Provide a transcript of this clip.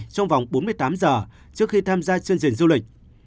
trong vòng bốn mươi tám giờ trước khi tham gia chương trình du lịch